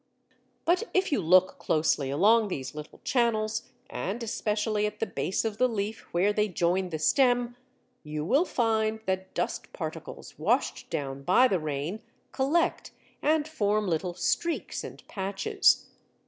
But if you look closely along these little channels, and especially at the base of the leaf where they join the stem, you will find that dust particles washed down by the rain collect and form little streaks and patches.